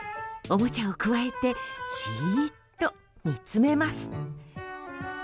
おもちゃをくわえてじっと見つめます。